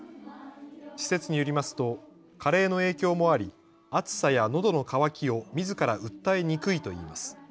施設によりますと加齢の影響もあり、暑さやのどの渇きをみずから訴えにくいといいます。